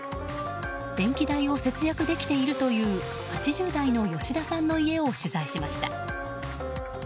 電気代を節約できているという８０代の吉田さんの家を取材しました。